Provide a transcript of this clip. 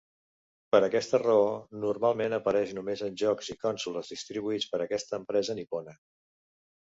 Per aquesta raó, normalment apareix només en jocs i consoles distribuïts per aquesta empresa nipona.